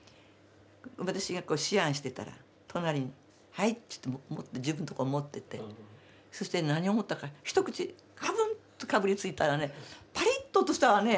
私が思案してたら隣に「はい」って言って自分のところへ持ってってそして何を思ったか一口ガブッとかぶりついたらねパリッと音したわね。